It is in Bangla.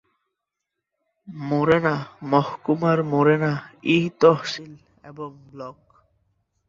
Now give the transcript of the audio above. মোরেনা মহকুমায় মোরেনা-ই তহশিল এবং ব্লক।